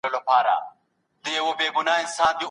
هغه شاګرد چي لوړ ږغ لري، پاڼه ړنګوي.